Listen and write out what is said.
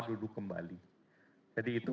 duduk kembali jadi itu